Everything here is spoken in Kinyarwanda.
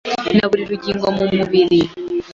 na buri rugingo mu mubiri.